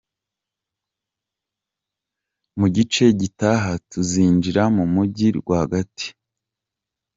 Mu gice gitaha tuzinjira mu mujyi rwagati.